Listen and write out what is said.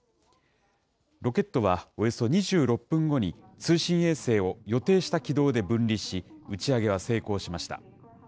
ロケットはおよそ２６分後に通信衛星を予定した軌道で分離し、打ち上げは成功しました。